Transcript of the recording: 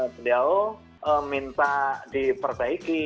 beliau minta diperbaiki